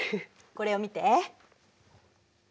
これを見て。